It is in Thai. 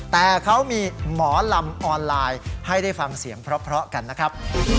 แต่เขามีหมอลำออนไลน์ให้ได้ฟังเสียงเพราะกันนะครับ